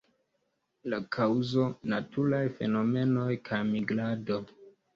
La kaŭzo: naturaj fenomenoj kaj migrado.